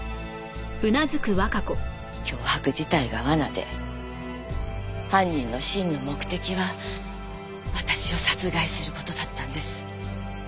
脅迫自体が罠で犯人の真の目的は私を殺害する事だったんです。